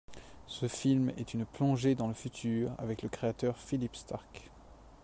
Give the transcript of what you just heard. Ce film est une plongée dans le futur avec le créateur Philippe Starck.